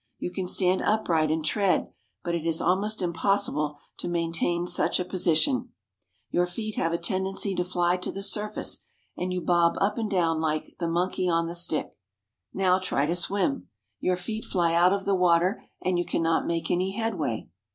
You can stand upright and tread, but it is almost impossible to maintain such a position. Your feet have a tendency to fly to the sur .36 THE DEAD SEA AND THE JORDAN face, and you bob up and down like "the monkey on the stick." Now try to swim. Your feet fly out of the water and you cannot make any headway.